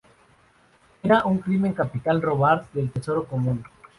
Era un crimen capital robar del tesoro común.